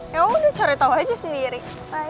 ya udah cari tau aja sendiri bye